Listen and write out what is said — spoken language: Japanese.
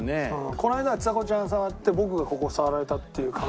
この間はちさ子ちゃん触って僕がここ触られたっていう感覚がすごいあったから。